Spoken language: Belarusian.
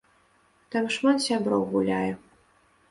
Там шмат сяброў гуляе.